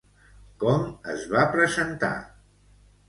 Com es va presentar?